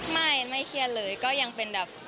ไม่ไม่เครียดเลยก็ยังเป็นแบบ